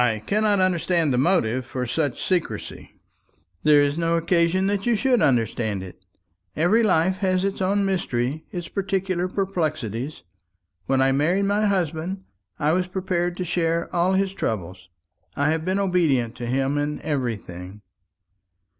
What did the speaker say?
"I cannot understand the motive for such secrecy." "There is no occasion that you should understand it. Every life has its own mystery its peculiar perplexities. When I married my husband, I was prepared to share all his troubles. I have been obedient to him in everything."